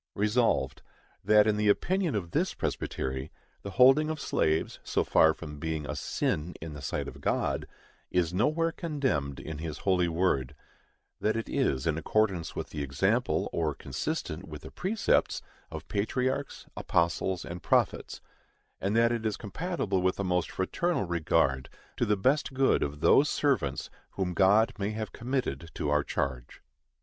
Resolved, That in the opinion of this Presbytery, the holding of slaves, so far from being a SIN in the sight of God, is nowhere condemned in his holy word; that it is in accordance with the example, or consistent with the precepts, of patriarchs, apostles and prophets, and that it is compatible with the most fraternal regard to the best good of those servants whom God may have committed to our charge.